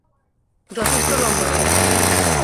যথেষ্ট লম্বা রয়েছে।